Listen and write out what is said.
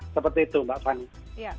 seperti itu mbak fani